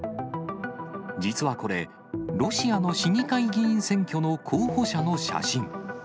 実はこれ、ロシアの市議会議員選挙の候補者の写真。